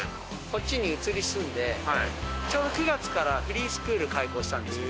こっちに移り住んでちょうど９月からフリースクール開校したんですけど。